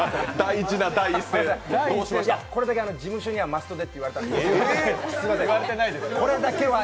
これだけ事務所にはマストでっていわれたんです。